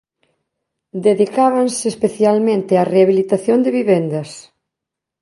Dedicábanse especialmente á rehabilitación de vivendas